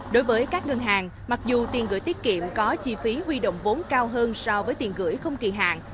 đối với các ngân hàng mặc dù tiền gửi tiết kiệm có chi phí huy động vốn cao hơn so với tiền gửi không kỳ hạn